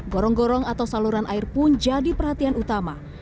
gorong gorong atau saluran air pun jadi perhatian utama